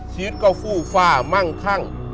ชีวิตก็ฟู่ฟ่ามั่งคั่ง